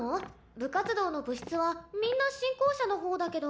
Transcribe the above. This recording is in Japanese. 部活動の部室はみんな新校舎の方だけど。